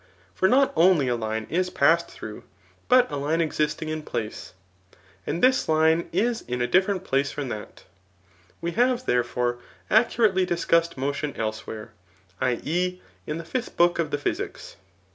] For not only a line is passed through, but a line existing in place ; and this line is in a different place from that, "W^e have, therefore, accurately discussed motion else where, [i. e. in the 5th book of the Physics.